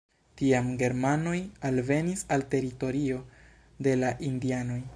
Tiam germanoj alvenis al teritorio de la indianoj.